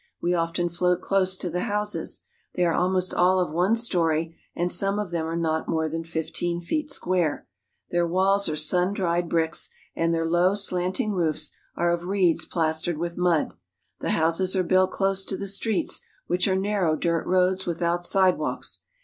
We often float close to the houses. They are almost all of one story, and some of them are not more than fifteen feet square. Their walls are sun dried bricks, and their low, slanting roofs are of reeds plastered with mud. The houses are built close to the streets, which are narrow dirt roads without sidewalks.